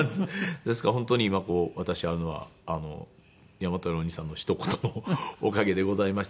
ですから本当に今こう私あるのは大和屋のお兄さんのひと言のおかげでございまして。